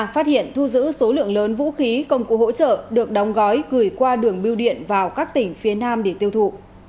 phát hiện thu giữ số lượng lớn vũ khí công cụ hỗ trợ được đóng gói gửi qua đường biêu điện vào các tỉnh phía nam để tiêu thụ